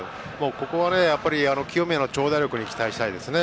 ここは清宮の長打力に期待したいですね。